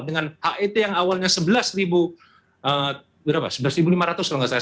dengan het yang awalnya sebelas lima ratus kalau nggak salah